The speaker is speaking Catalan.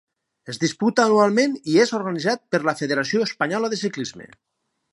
Es disputa anualment i és organitzat per la Federació Espanyola de Ciclisme.